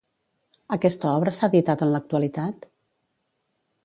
Aquesta obra s'ha editat en l'actualitat?